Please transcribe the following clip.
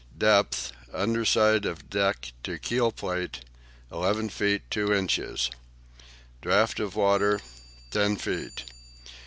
Depth, underside of deck to keel plate, 11 feet 2 inches. Draught of water, 10 feet.